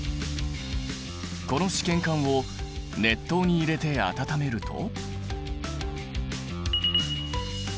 この試験管を熱湯に入れて温めると。